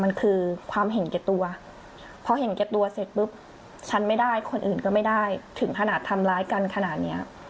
มันคือความเห็นแก่ตัวพอเห็นแก่ตัวเสร็จปุ๊บฉันไม่ได้คนอื่นก็ไม่ได้ถึงขนาดทำร้ายกันขนาดเนี้ย